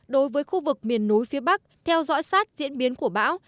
đối với khu vực miền núi phía bắc theo dõi sát diễn biến của bão